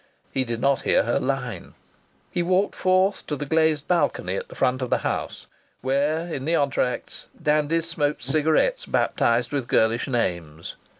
He did not hear her line. He walked forth to the glazed balcony at the front of the house, where in the entr'actes dandies smoked cigarettes baptized with girlish names.